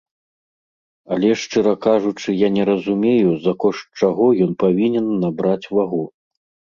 Але шчыра кажучы, я не разумею, за кошт чаго ён павінен набраць вагу.